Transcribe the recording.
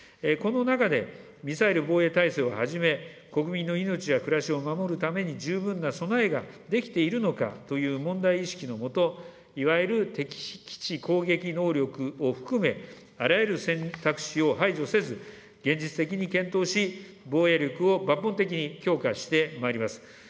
この中で、ミサイル防衛体制をはじめ、国民の命や暮らしを守るために十分な備えができているのかという問題意識のもと、いわゆる敵基地攻撃能力を含め、あらゆる選択肢を排除せず、現実的に検討し、防衛力を抜本的に強化してまいります。